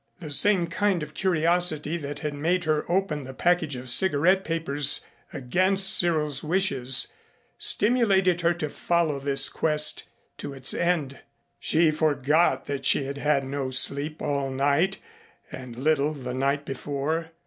The same kind of curiosity that had made her open the package of cigarette papers against Cyril's wishes, stimulated her to follow this quest to its end. She forgot that she had had no sleep all night, and little the night before.